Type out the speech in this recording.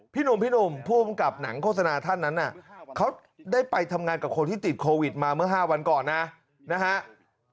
หนุ่มพี่หนุ่มผู้กำกับหนังโฆษณาท่านนั้นเขาได้ไปทำงานกับคนที่ติดโควิดมาเมื่อ๕วันก่อนนะนะฮะ